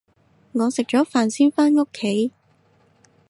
我食咗飯先返屋企